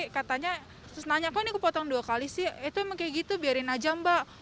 katanya terus nanya kok ini kepotong dua kali sih itu emang kayak gitu biarin aja mbak